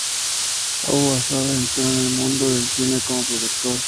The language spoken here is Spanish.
Abu-Assad entró en el mundo del cine como productor.